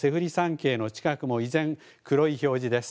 けいの近くも依然、黒い表示です。